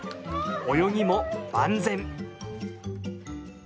泳ぎも万全。